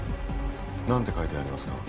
何て書いてありますか？